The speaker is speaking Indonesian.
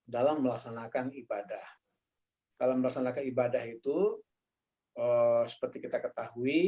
dalam melaksanakan ibadah dalam melaksanakan ibadah itu seperti kita ketahui